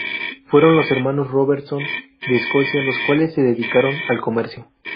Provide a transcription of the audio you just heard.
Fueron los hermanos Robertson, de Escocia, los cuales se dedicaron al comercio.